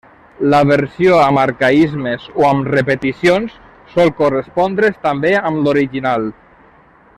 La versió amb arcaismes o amb repeticions sol correspondre's també amb l'original.